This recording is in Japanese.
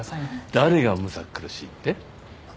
誰がむさくるしいって？